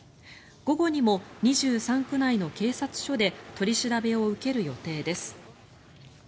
午後にも２３区内の警察署で取り調べを受ける予定です。